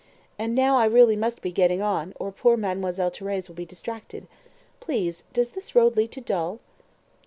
And now I really must be getting on, or poor Mademoiselle Thérèse will be distracted. Please, does this road lead to Dol?"